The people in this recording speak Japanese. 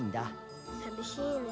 寂しいね。